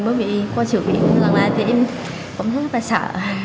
bởi vì qua sự việc lần này thì em cũng rất là sợ